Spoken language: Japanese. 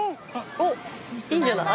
おっいいんじゃない？